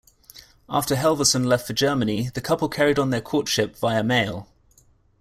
After Halvorsen left for Germany, the couple carried on their courtship via mail.